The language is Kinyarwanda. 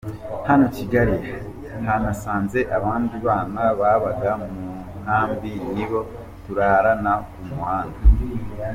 Hano Kigali nahasanze abandi bana babaga mu nkambi nibo turarana ku muhanda.